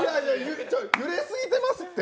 ちょ、揺れすぎてますって！